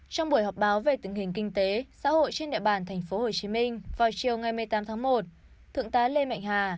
trong buổi họp báo về tình hình kinh tế xã hội trên địa bàn tp hcm vào chiều ngày một mươi tám tháng một thượng tá lê mạnh hà